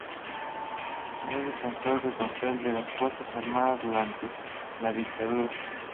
Es defensor del papel de las Fuerzas Armadas durante la dictadura.